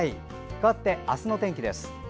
かわって、明日の天気です。